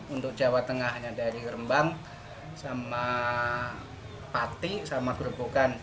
untuk jawa tengah hanya dari rembang sama pati sama gerbukan